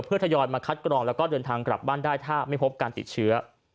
เพื่อทยอยมาคัดกรองแล้วก็เดินทางกลับบ้านได้ถ้าไม่พบการติดเชื้อ